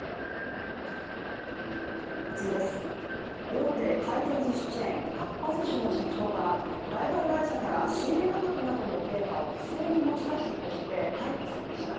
大手回転ずしチェーン、かっぱ寿司の社長がライバル会社から仕入れ価格などのデータを不正に持ち出したとして逮捕されました。